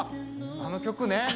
あの曲ね！